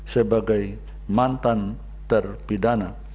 sebagai mantan terpidana